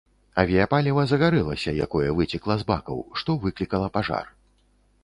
Авіяпаліва загарэлася, якое выцекла з бакаў, што выклікала пажар.